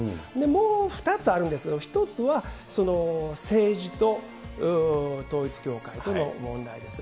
もう２つあるんですけど、１つは政治と統一教会との問題です。